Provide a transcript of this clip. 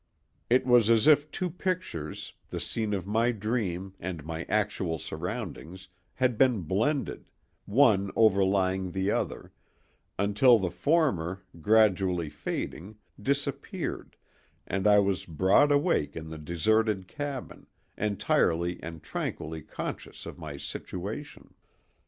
It was as if two pictures, the scene of my dream, and my actual surroundings, had been blended, one overlying the other, until the former, gradually fading, disappeared, and I was broad awake in the deserted cabin, entirely and tranquilly conscious of my situation.